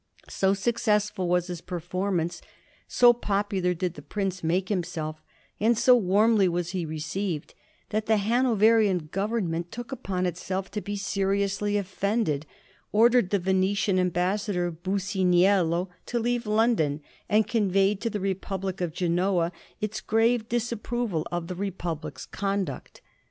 So successful was this performance, 80 popular did the prince make himself, and so warmly was he received, that the Hanoverian Government took upon itself to be seriously offended, ordered the Venetian ambassador Businiello to leave London, and conveyed to the Republic of Genoa its grave disapproval of the Re public's conduct.